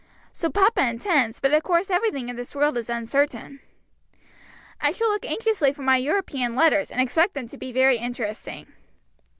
"So papa intends, but of course everything in this world is uncertain." "I shall look anxiously for my European letters, and expect them to be very interesting."